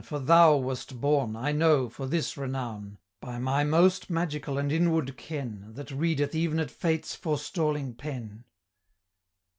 For thou wast born, I know, for this renown, By my most magical and inward ken, That readeth ev'n at Fate's forestalling pen."